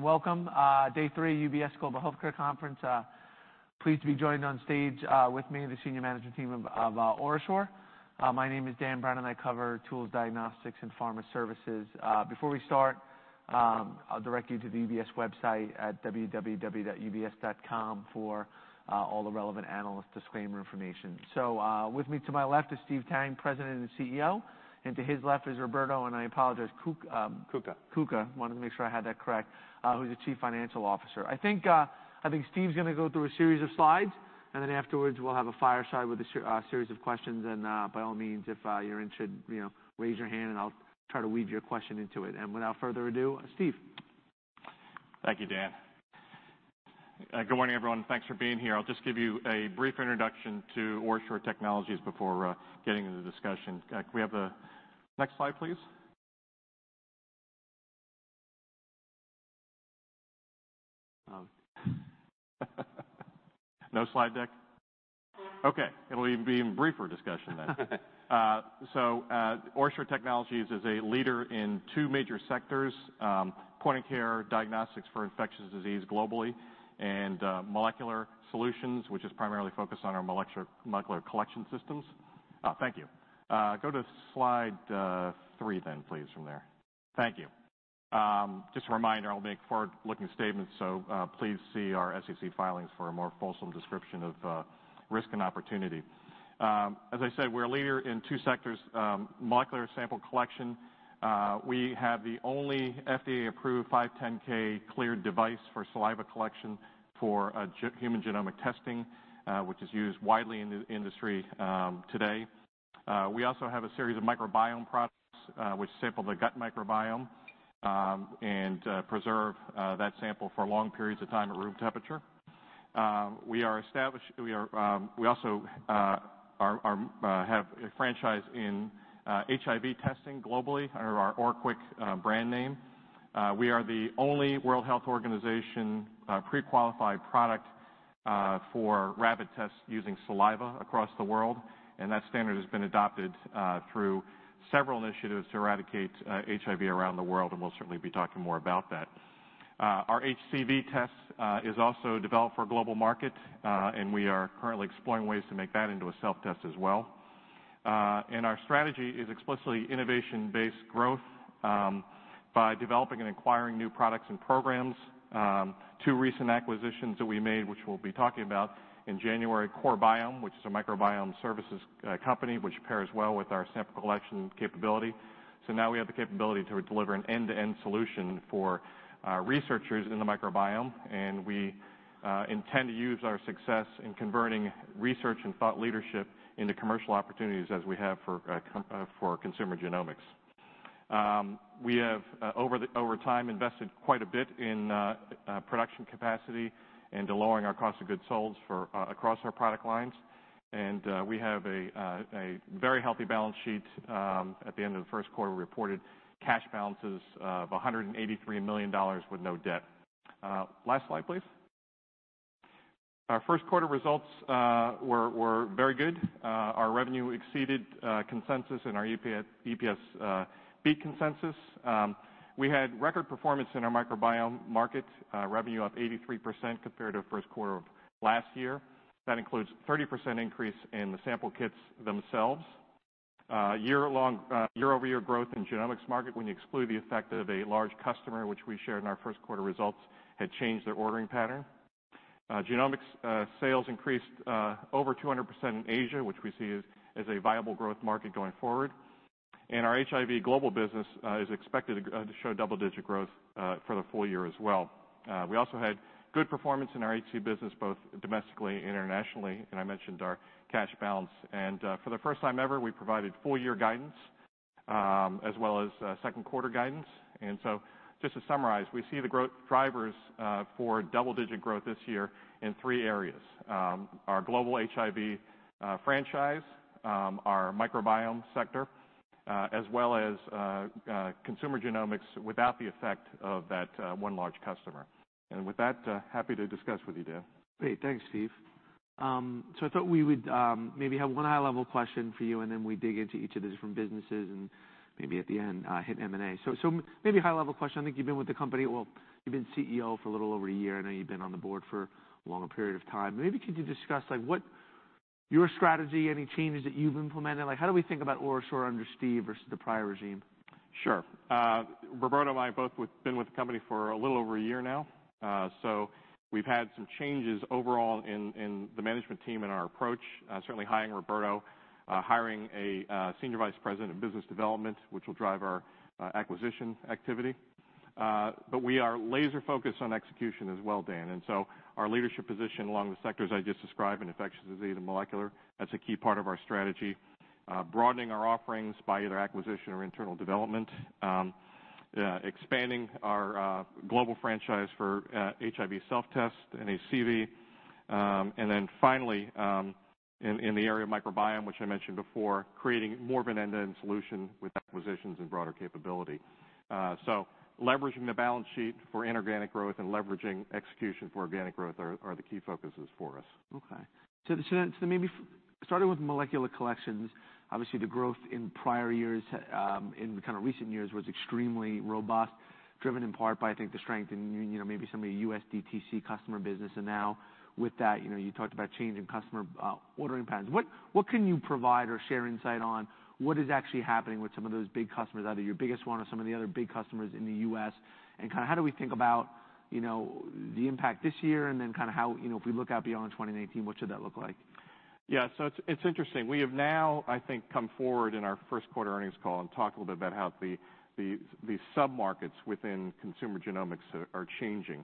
Welcome. Day three, UBS Global Healthcare Conference. Pleased to be joined on stage with me, the senior management team of OraSure. My name is Brendan Brennan, and I cover tools, diagnostics, and pharma services. Before we start, I will direct you to the ubs.com website for all the relevant analyst disclaimer information. With me to my left is Steve Tang, President and CEO, and to his left is Roberto, and I apologize- Cuca. Cuca. I wanted to make sure I had that correct, who is the Chief Financial Officer. I think Steve is going to go through a series of slides, and then afterwards we will have a fireside with a series of questions, and by all means, if you are interested, raise your hand and I will try to weave your question into it. Without further ado, Steve. Thank you, Dan. Good morning, everyone. Thanks for being here. I will just give you a brief introduction to OraSure Technologies before getting into the discussion. Can we have the next slide, please? No slide deck. Okay. It will be an even briefer discussion then. OraSure Technologies is a leader in two major sectors: point of care diagnostics for infectious disease globally and molecular solutions, which is primarily focused on our molecular collection systems. Thank you. Go to slide three then please from there. Thank you. Just a reminder, I will make forward-looking statements, so please see our SEC filings for a more fulsome description of risk and opportunity. As I said, we are a leader in two sectors, molecular sample collection. We have the only FDA-approved, 510(k)-cleared device for saliva collection for human genomic testing, which is used widely in the industry today. We also have a series of microbiome products, which sample the gut microbiome, and preserve that sample for long periods of time at room temperature. We also have a franchise in HIV testing globally under our OraQuick brand name. We are the only World Health Organization pre-qualified product for rapid tests using saliva across the world, and that standard has been adopted through several initiatives to eradicate HIV around the world, and we will certainly be talking more about that. Our HCV test is also developed for a global market, and we are currently exploring ways to make that into a self-test as well. Our strategy is explicitly innovation-based growth by developing and acquiring new products and programs. Two recent acquisitions that we made, which we will be talking about, in January, CoreBiome, which is a microbiome services company, which pairs well with our sample collection capability. Now we have the capability to deliver an end-to-end solution for researchers in the microbiome, and we intend to use our success in converting research and thought leadership into commercial opportunities as we have for consumer genomics. We have, over time, invested quite a bit in production capacity and to lowering our cost of goods sold across our product lines. And we have a very healthy balance sheet. At the end of the first quarter, we reported cash balances of $183 million with no debt. Last slide, please. Our first quarter results were very good. Our revenue exceeded consensus, and our EPS beat consensus. We had record performance in our microbiome market, revenue up 83% compared to first quarter of last year. That includes 30% increase in the sample kits themselves. Year-over-year growth in genomics market, when you exclude the effect of a large customer, which we shared in our first quarter results, had changed their ordering pattern. Genomics sales increased over 200% in Asia, which we see as a viable growth market going forward. And our HIV global business is expected to show double-digit growth for the full-year as well. We also had good performance in our HCV business, both domestically and internationally, and I mentioned our cash balance. And for the first time ever, we provided full-year guidance, as well as second quarter guidance. Just to summarize, we see the growth drivers for double-digit growth this year in three areas. Our global HIV franchise, our microbiome sector, as well as consumer genomics without the effect of that one large customer. And with that, happy to discuss with you, Dan. Great. Thanks, Steve. I thought we would maybe have one high-level question for you, and then we dig into each of the different businesses and maybe at the end, hit M&A. Maybe a high-level question. I think you've been with the company. Well, you've been CEO for a little over a year. I know you've been on the board for a longer period of time. Maybe could you discuss what your strategy, any changes that you've implemented, how do we think about OraSure under Steve versus the prior regime? Sure. Roberto and I both have been with the company for a little over a year now. We've had some changes overall in the management team and our approach. Certainly hiring Roberto, hiring a senior vice president of business development, which will drive our acquisition activity. But we are laser-focused on execution as well, Dan. Our leadership position along the sectors I just described in infectious disease and molecular, that's a key part of our strategy. Broadening our offerings by either acquisition or internal development. Expanding our global franchise for HIV self-test and HCV. And then finally, in the area of microbiome, which I mentioned before, creating more of an end-to-end solution with acquisitions and broader capability. Leveraging the balance sheet for inorganic growth and leveraging execution for organic growth are the key focuses for us. Starting with molecular collections. Obviously, the growth in prior years, in kind of recent years, was extremely robust, driven in part by, I think, the strength in maybe some of the U.S. DTC customer business. Now with that, you talked about changing customer ordering patterns. What can you provide or share insight on what is actually happening with some of those big customers, either your biggest one or some of the other big customers in the U.S.? How do we think about the impact this year and then kind of how, if we look out beyond 2019, what should that look like? Yeah. It's interesting. We have now, I think, come forward in our first quarter earnings call and talked a little bit about how the sub-markets within consumer genomics are changing.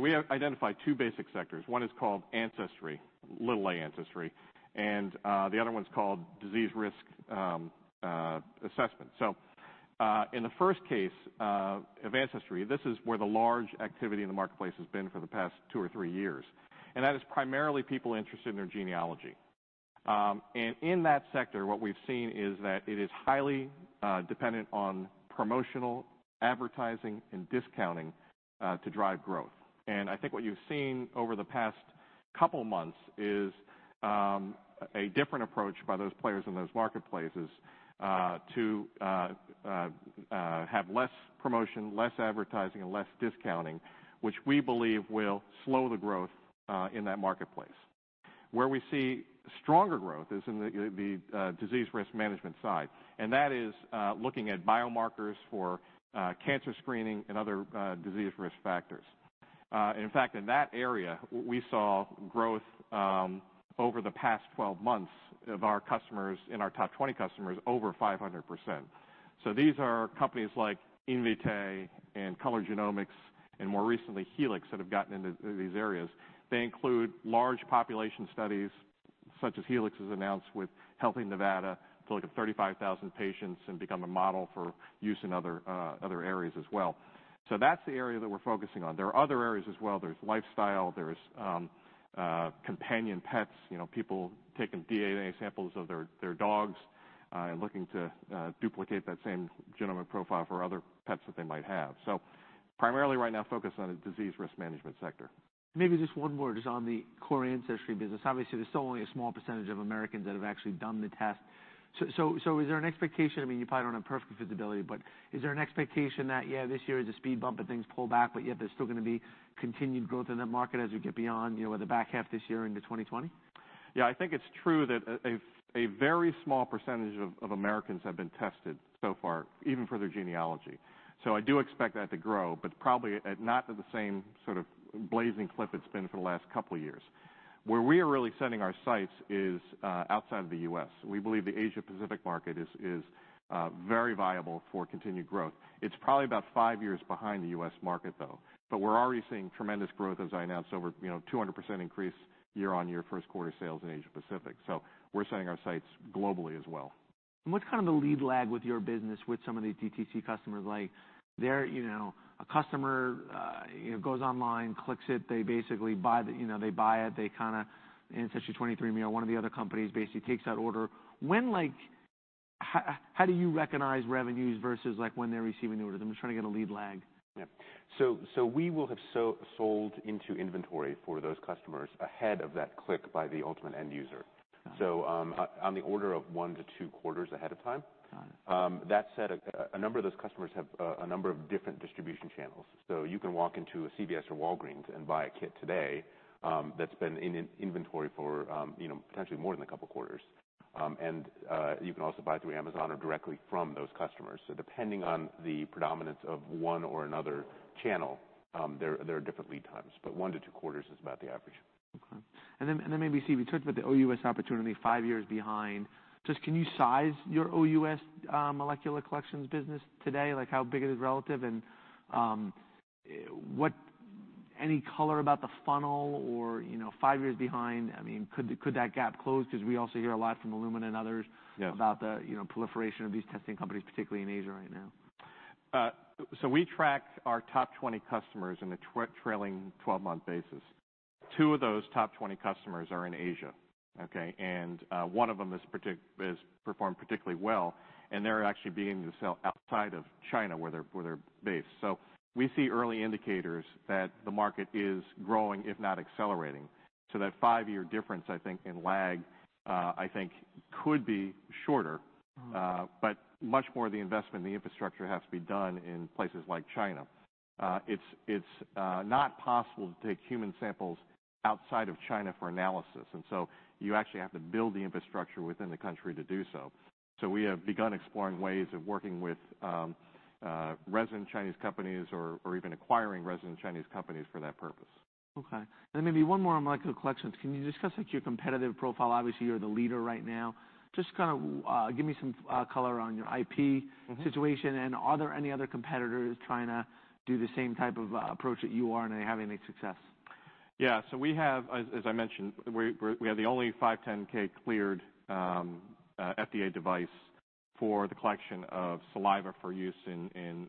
We have identified two basic sectors. One is called ancestry, little A ancestry, and the other one's called disease risk assessment. In the first case of ancestry, this is where the large activity in the marketplace has been for the past two or three years, and that is primarily people interested in their genealogy. In that sector, what we've seen is that it is highly dependent on promotional advertising and discounting to drive growth. I think what you've seen over the past couple of months is a different approach by those players in those marketplaces to have less promotion, less advertising, and less discounting, which we believe will slow the growth in that marketplace. Where we see stronger growth is in the disease risk management side, and that is looking at biomarkers for cancer screening and other disease risk factors. In fact, in that area, we saw growth over the past 12 months of our customers, in our top 20 customers, over 500%. These are companies like Invitae and Color Genomics, and more recently, Helix, that have gotten into these areas. They include large population studies, such as Helix has announced with Healthy Nevada, to look at 35,000 patients and become a model for use in other areas as well. That's the area that we're focusing on. There are other areas as well. There's lifestyle, there's companion pets. People taking DNA samples of their dogs and looking to duplicate that same genomic profile for other pets that they might have. Primarily right now, focused on a disease risk management sector. Maybe just one word is on the core ancestry business. Obviously, there's still only a small percentage of Americans that have actually done the test. Is there an expectation, I mean, you probably don't have perfect visibility, but is there an expectation that, yeah, this year is a speed bump and things pull back, but yet there's still going to be continued growth in that market as we get beyond the back half of this year into 2020? Yeah, I think it's true that a very small percentage of Americans have been tested so far, even for their genealogy. I do expect that to grow, but probably not at the same sort of blazing clip it's been for the last couple of years. Where we are really setting our sights is outside of the U.S. We believe the Asia-Pacific market is very viable for continued growth. It's probably about five years behind the U.S. market, though. We're already seeing tremendous growth, as I announced, over 200% increase year-on-year first quarter sales in Asia-Pacific. We're setting our sights globally as well. What's kind of the lead lag with your business with some of these DTC customers? Like, a customer goes online, clicks it, they basically buy it. Ancestry, 23andMe, or one of the other companies basically takes that order. How do you recognize revenues versus when they're receiving orders? I'm just trying to get a lead lag. Yeah. We will have sold into inventory for those customers ahead of that click by the ultimate end user. Got it. On the order of one to two quarters ahead of time. Got it. That said, a number of those customers have a number of different distribution channels. You can walk into a CVS or Walgreens and buy a kit today that's been in inventory for potentially more than a couple of quarters. You can also buy through Amazon or directly from those customers. Depending on the predominance of one or another channel, there are different lead times, but one to two quarters is about the average. Okay. Then maybe, Steve, you talked about the OUS opportunity, five years behind. Just can you size your OUS molecular collections business today? Like how big it is relative and any color about the funnel or five years behind? Could that gap close? Because we also hear a lot from Illumina and others. Yeah about the proliferation of these testing companies, particularly in Asia right now. We track our top 20 customers in a trailing 12-month basis. Two of those top 20 customers are in Asia, okay? One of them has performed particularly well, and they're actually beginning to sell outside of China, where they're based. We see early indicators that the market is growing, if not accelerating. That five-year difference, I think, in lag, I think, could be shorter. Much more of the investment in the infrastructure has to be done in places like China. It's not possible to take human samples outside of China for analysis. You actually have to build the infrastructure within the country to do so. We have begun exploring ways of working with resident Chinese companies or even acquiring resident Chinese companies for that purpose. Okay. Maybe one more on molecular collections. Can you discuss your competitive profile? Obviously, you're the leader right now. Just kind of give me some color on your IP situation and are there any other competitors trying to do the same type of approach that you are and are they having any success? Yeah. We have, as I mentioned, we have the only 510(k) cleared FDA device for the collection of saliva for use in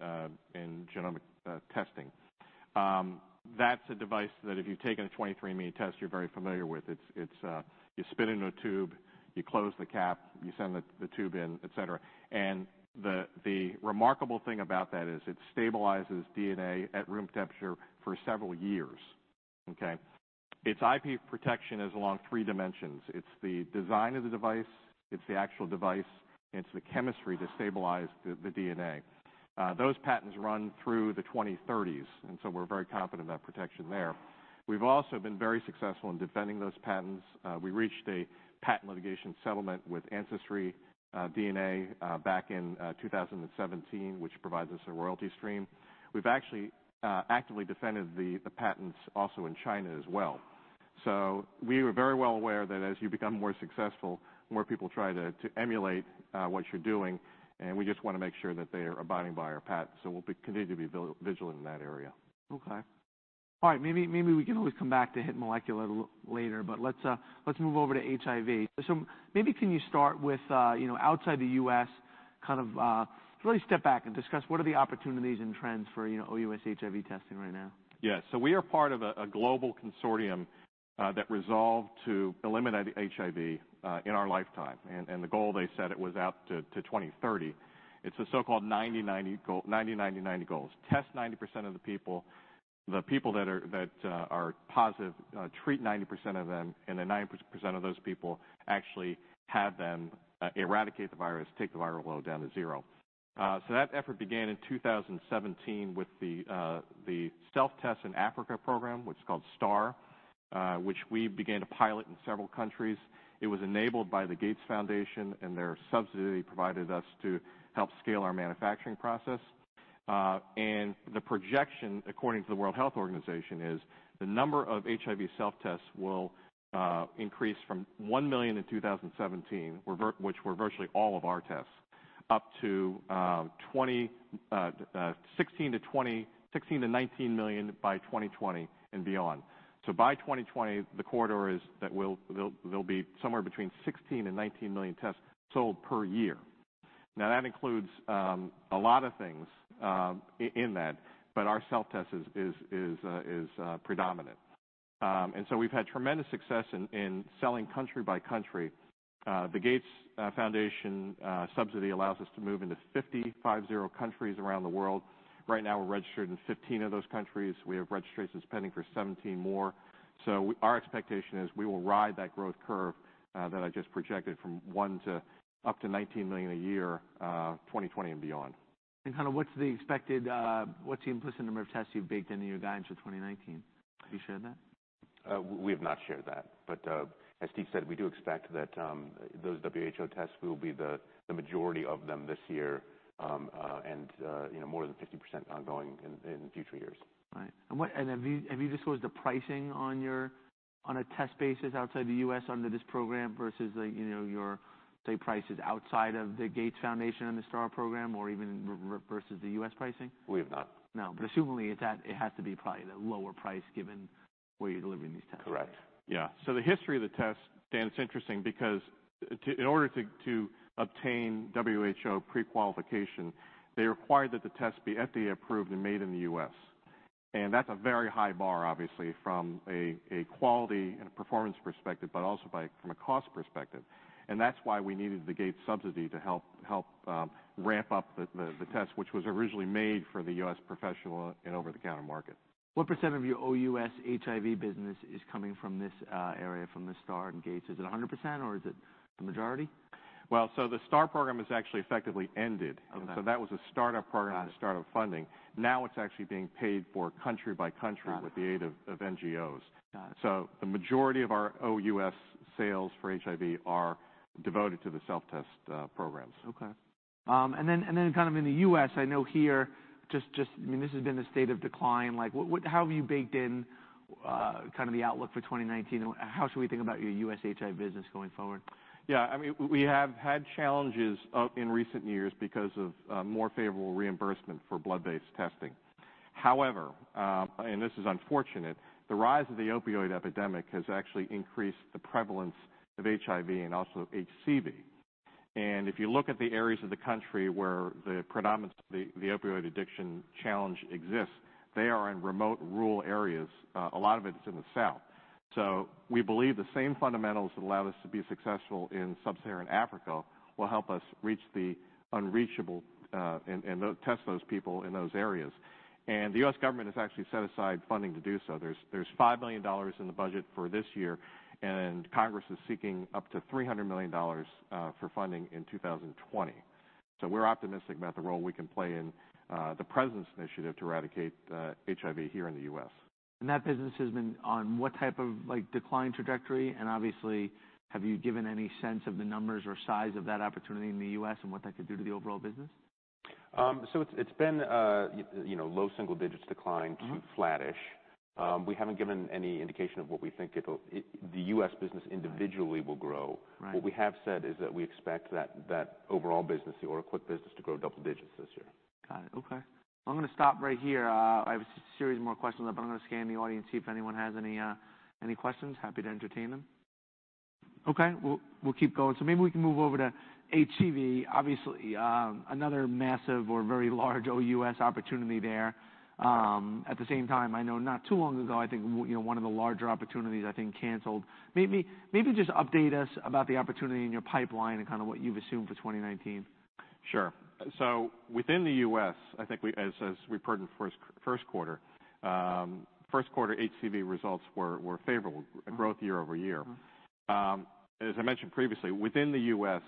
genomic testing. That's a device that if you've taken a 23andMe test, you're very familiar with. You spit in a tube, you close the cap, you send the tube in, et cetera. The remarkable thing about that is it stabilizes DNA at room temperature for several years. Okay. Its IP protection is along three dimensions. It's the design of the device, it's the actual device, and it's the chemistry to stabilize the DNA. Those patents run through the 2030s, so we're very confident about protection there. We've also been very successful in defending those patents. We reached a patent litigation settlement with AncestryDNA back in 2017, which provides us a royalty stream. We've actually actively defended the patents also in China as well. We were very well aware that as you become more successful, more people try to emulate what you're doing, we just want to make sure that they are abiding by our patent. We'll continue to be vigilant in that area. Okay. All right. Maybe we can always come back to hit molecular later, let's move over to HIV. Maybe can you start with outside the U.S., really step back and discuss what are the opportunities and trends for OUS HIV testing right now? Yeah. We are part of a global consortium that resolved to eliminate HIV in our lifetime. The goal they set, it was out to 2030. It's the so-called 90-90-90 goals. Test 90% of the people. The people that are positive, treat 90% of them, and then 9% of those people, actually have them eradicate the virus, take the viral load down to zero. That effort began in 2017 with the Self Test in Africa program, which is called STAR, which we began to pilot in several countries. It was enabled by the Gates Foundation, their subsidy provided us to help scale our manufacturing process. The projection, according to the World Health Organization, is the number of HIV self-tests will increase from 1 million in 2017, which were virtually all of our tests, up to 16 million-19 million by 2020 and beyond. By 2020, the corridor is that there'll be somewhere between 16 and 19 million tests sold per year. That includes a lot of things in that, but our self-test is predominant. We've had tremendous success in selling country by country. The Gates Foundation subsidy allows us to move into 50 countries around the world. Right now, we're registered in 15 of those countries. We have registrations pending for 17 more. Our expectation is we will ride that growth curve that I just projected from one to up to 19 million a year, 2020 and beyond. What's the implicit number of tests you've baked into your guidance for 2019? Can you share that? We have not shared that. As Steve said, we do expect that those WHO tests will be the majority of them this year, and more than 50% ongoing in future years. Right. Have you disclosed the pricing on a test basis outside the U.S. under this program versus your, say, prices outside of the Gates Foundation and the STAR program, or even versus the U.S. pricing? We have not. No, assumingly, it has to be probably at a lower price given where you're delivering these tests. Correct. The history of the test, Dan, it's interesting because in order to obtain WHO pre-qualification, they required that the test be FDA approved and made in the U.S. That's a very high bar, obviously, from a quality and a performance perspective, but also from a cost perspective. That's why we needed the Gates subsidy to help ramp up the test, which was originally made for the U.S. professional and over-the-counter market. What % of your OUS HIV business is coming from this area, from the STAR and Gates? Is it 100%, or is it the majority? Well, the STAR program has actually effectively ended. Okay. that was a startup program. Got it. a startup funding. Now it's actually being paid for country by country. Got it. with the aid of NGOs. Got it. The majority of our OUS sales for HIV are devoted to the self-test programs. Okay. Kind of in the U.S., I know here, this has been a state of decline. How have you baked in kind of the outlook for 2019, and how should we think about your U.S. HIV business going forward? Yeah, we have had challenges in recent years because of more favorable reimbursement for blood-based testing. However, and this is unfortunate, the rise of the opioid epidemic has actually increased the prevalence of HIV and also HCV. If you look at the areas of the country where the opioid addiction challenge exists, they are in remote, rural areas. A lot of it's in the South. We believe the same fundamentals that allow us to be successful in sub-Saharan Africa will help us reach the unreachable, and test those people in those areas. The U.S. government has actually set aside funding to do so. There's $5 million in the budget for this year, and Congress is seeking up to $300 million for funding in 2020. We're optimistic about the role we can play in the president's initiative to eradicate HIV here in the U.S. That business has been on what type of decline trajectory? Obviously, have you given any sense of the numbers or size of that opportunity in the U.S. and what that could do to the overall business? It's been low single digits decline to flattish. We haven't given any indication of what we think the U.S. business individually will grow. Right. What we have said is that we expect that overall business, the OraQuick business, to grow double digits this year. Got it. Okay. I'm going to stop right here. I have a series more questions. I'm going to scan the audience, see if anyone has any questions. Happy to entertain them. Okay, we'll keep going. Maybe we can move over to HCV. Obviously, another massive or very large OUS opportunity there. Yeah. At the same time, I know not too long ago, I think one of the larger opportunities, I think, canceled. Maybe just update us about the opportunity in your pipeline and kind of what you've assumed for 2019. Sure. Within the U.S., I think as we've heard in first quarter, HCV results were favorable, a growth year-over-year. As I mentioned previously, within the U.S.,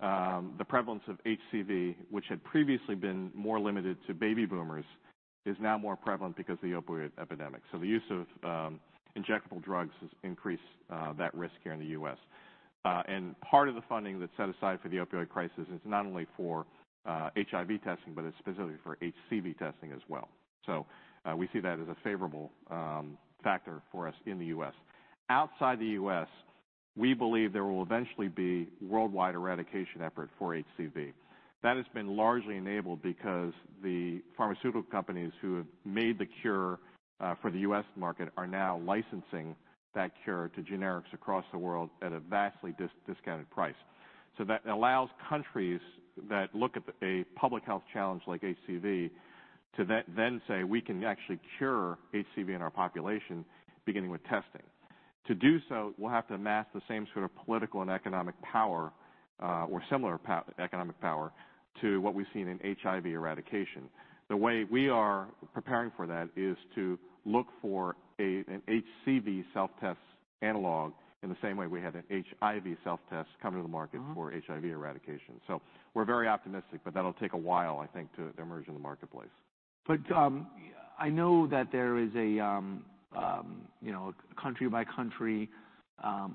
the prevalence of HCV, which had previously been more limited to baby boomers, is now more prevalent because of the opioid epidemic. The use of injectable drugs has increased that risk here in the U.S. Part of the funding that's set aside for the opioid crisis is not only for HIV testing, but it's specifically for HCV testing as well. We see that as a favorable factor for us in the U.S. Outside the U.S., we believe there will eventually be worldwide eradication effort for HCV. That has been largely enabled because the pharmaceutical companies who have made the cure for the U.S. market are now licensing that cure to generics across the world at a vastly discounted price. That allows countries that look at a public health challenge like HCV to then say, "We can actually cure HCV in our population, beginning with testing." To do so, we'll have to amass the same sort of political and economic power, or similar economic power to what we've seen in HIV eradication. The way we are preparing for that is to look for an HCV self-test analog in the same way we had an HIV self-test come to the market for HIV eradication. We're very optimistic, but that'll take a while, I think, to emerge in the marketplace. I know that there is a country-by-country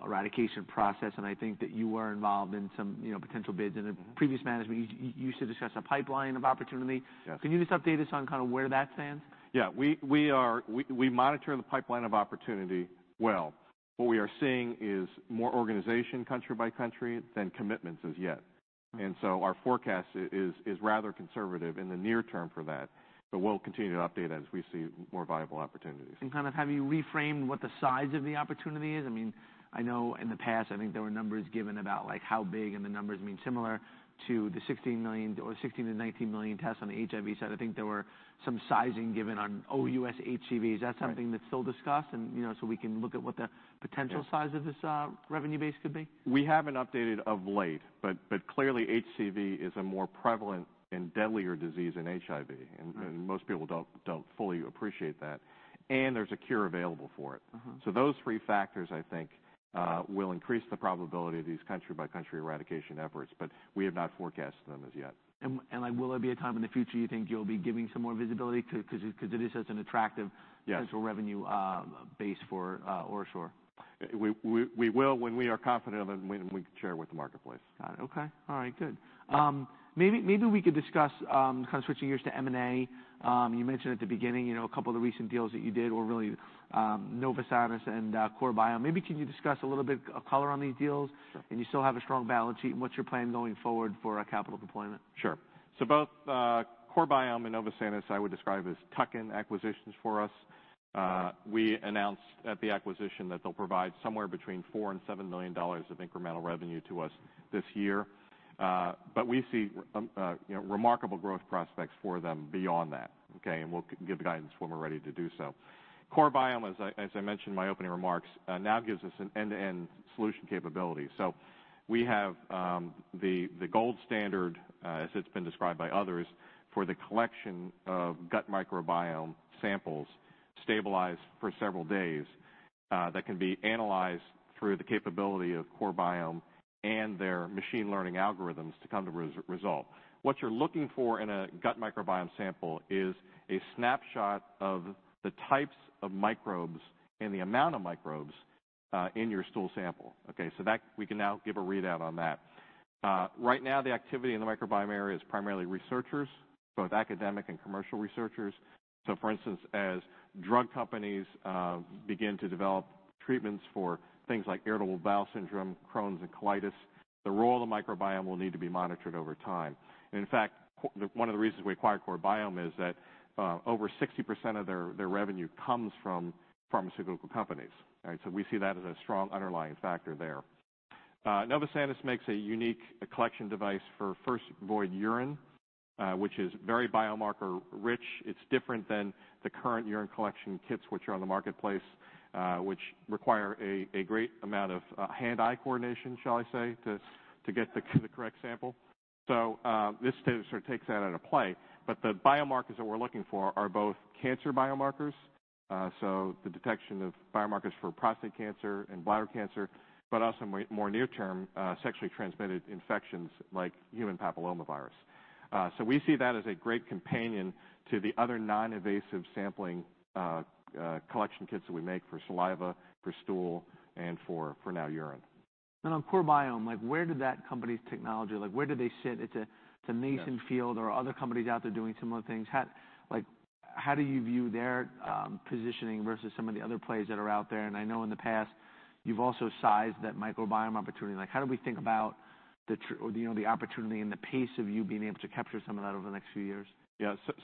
eradication process, and I think that you were involved in some potential bids. In the previous management, you used to discuss a pipeline of opportunity. Yeah. Can you just update us on kind of where that stands? Yeah. We monitor the pipeline of opportunity well. What we are seeing is more organization country by country than commitments as yet. Our forecast is rather conservative in the near term for that, but we'll continue to update it as we see more viable opportunities. kind of have you reframed what the size of the opportunity is? I know in the past, I think there were numbers given about how big, the numbers being similar to the 16-19 million tests on the HIV side. I think there were some sizing given on OUS HCV. Is that something that's still discussed so we can look at what the potential size of this revenue base could be? We haven't updated of late, clearly HCV is a more prevalent and deadlier disease than HIV, most people don't fully appreciate that, there's a cure available for it. Those three factors, I think, will increase the probability of these country-by-country eradication efforts, we have not forecasted them as yet. Will there be a time in the future you think you'll be giving some more visibility, because it is such an attractive- Yeah potential revenue base for OraSure. We will when we are confident of it, and when we can share with the marketplace. Got it. Okay. All right, good. Maybe we could discuss, kind of switching gears to M&A. You mentioned at the beginning a couple of the recent deals that you did were really Novosanis and CoreBiome. Maybe can you discuss a little bit of color on these deals? Sure. You still have a strong balance sheet, and what's your plan going forward for capital deployment? Sure. Both CoreBiome and Novosanis I would describe as tuck-in acquisitions for us. Right. We announced at the acquisition that they'll provide somewhere between $4 million and $7 million of incremental revenue to us this year. We see remarkable growth prospects for them beyond that. Okay? We'll give the guidance when we're ready to do so. CoreBiome, as I mentioned in my opening remarks, now gives us an end-to-end solution capability. We have the gold standard, as it's been described by others, for the collection of gut microbiome samples stabilized for several days that can be analyzed through the capability of CoreBiome and their machine learning algorithms to come to resolve. What you're looking for in a gut microbiome sample is a snapshot of the types of microbes and the amount of microbes in your stool sample. Okay, we can now give a readout on that. Right now, the activity in the microbiome area is primarily researchers, both academic and commercial researchers. For instance, as drug companies begin to develop treatments for things like irritable bowel syndrome, Crohn's, and colitis, the role of the microbiome will need to be monitored over time. In fact, one of the reasons we acquired CoreBiome is that over 60% of their revenue comes from pharmaceutical companies. We see that as a strong underlying factor there. Novosanis makes a unique collection device for first void urine, which is very biomarker rich. It's different than the current urine collection kits which are on the marketplace, which require a great amount of hand-eye coordination, shall I say, to get the correct sample. This sort of takes that out of play. The biomarkers that we're looking for are both cancer biomarkers, so the detection of biomarkers for prostate cancer and bladder cancer, but also more near term, sexually transmitted infections like human papillomavirus. We see that as a great companion to the other non-invasive sampling collection kits that we make for saliva, for stool, and for now urine. On CoreBiome, where did that company's technology, where do they sit? It's a nascent field. There are other companies out there doing similar things. How do you view their positioning versus some of the other plays that are out there? I know in the past you've also sized that microbiome opportunity. How do we think about the opportunity and the pace of you being able to capture some of that over the next few years?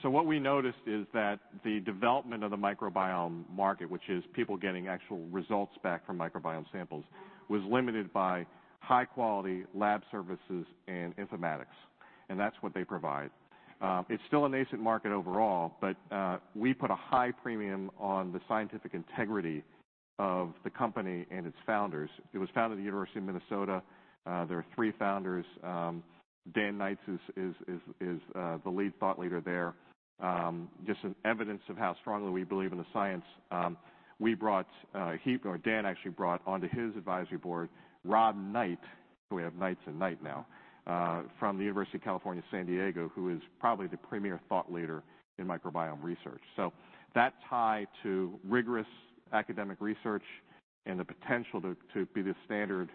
What we noticed is that the development of the microbiome market, which is people getting actual results back from microbiome samples, was limited by high-quality lab services and informatics, and that's what they provide. It's still a nascent market overall. We put a high premium on the scientific integrity of the company and its founders. It was founded at the University of Minnesota. There are three founders. Dan Knights is the lead thought leader there. Just as evidence of how strongly we believe in the science, Dan actually brought onto his advisory board Rob Knight, so we have Knights and Knight now, from the University of California San Diego, who is probably the premier thought leader in microbiome research. That tie to rigorous academic research and the potential to be the standard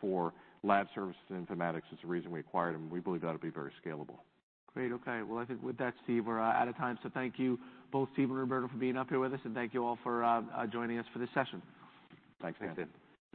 for lab services and informatics is the reason we acquired them. We believe that'll be very scalable. I think with that, Steve, we're out of time. Thank you both, Steve and Roberto, for being up here with us, and thank you all for joining us for this session. Thanks. Thanks, Dan.